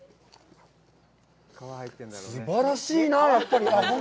すばらしいな、やっぱり。